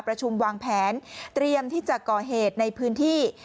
ประชุมวางแผนเตรียมที่จะก่อเหตุในพื้นที่